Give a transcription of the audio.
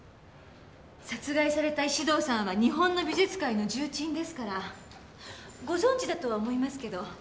殺害された石堂さんは日本の美術界の重鎮ですからご存知だとは思いますけど。